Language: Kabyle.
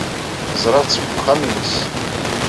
Ẓriɣ-tt deg wexxam-nnes.